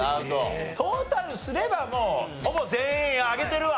トータルすればもうほぼ全員あげてるわ。